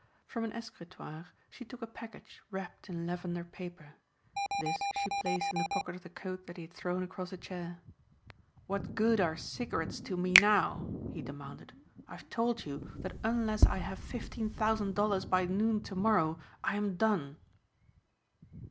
From an escritoire she took a package wrapped in lavender paper. This she placed in the pocket of the coat that he had thrown across a chair. "What good are cigarettes to me now?" he demanded. "I have told you that unless I have fifteen thousand dollars by noon to morrow, I am done."